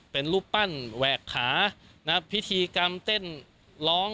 เป็นรูปปั้นแหวกขาพิธีกรรมเต้นร้อง